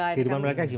kehidupan mereka gimana